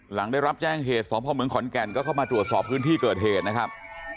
หลังได้รับแจ้งเหตุสพเมืองขอนแก่นก็เข้ามาตรวจสอบพื้นที่เกิดเหตุนะครับ